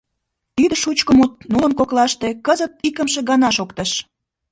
Тиде шучко мут нунын коклаште кызыт икымше гана шоктыш.